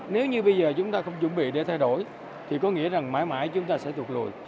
nếu như bây giờ chúng ta không chuẩn bị để thay đổi thì có nghĩa rằng mãi mãi chúng ta sẽ chụp rồi